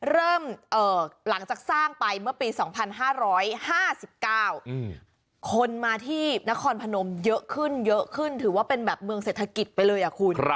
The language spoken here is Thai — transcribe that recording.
เริ่มหลังจากสร้างไปเมื่อปี๒๕๕๙คนมาที่นครพนมเยอะขึ้นเยอะขึ้นถือว่าเป็นแบบเมืองเศรษฐกิจไปเลยคุณ